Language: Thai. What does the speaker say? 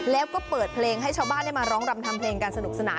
แล้วก็เปิดเพลงให้ชาวบ้านได้มาร้องรำทำเพลงกันสนุกสนาน